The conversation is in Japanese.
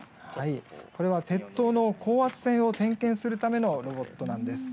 これは鉄塔の高圧線を点検するためのロボットなんです。